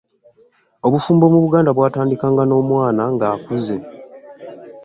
Obufumbo mu Buganda bwatandikanga n'omwana nga akuze.